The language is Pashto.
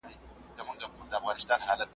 له هري تر بدخشانه ارغوان وي غوړېدلی .